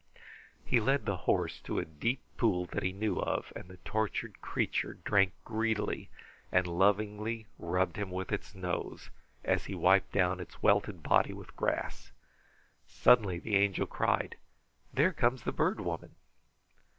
He led the horse to a deep pool that he knew of, and the tortured creature drank greedily, and lovingly rubbed him with its nose as he wiped down its welted body with grass. Suddenly the Angel cried: "There comes the Bird Woman!"